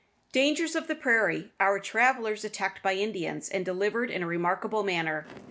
Dangers of the prairie Our travellers attacked by Indians, and delivered in a remarkable manner.